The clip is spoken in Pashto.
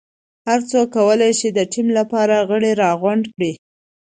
هر څوک کولای شي د ټیم لپاره غړي راغونډ کړي.